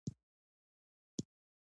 دولت هم مالي مدیریت ته اړتیا لري.